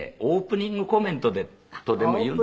オープニングコメントね。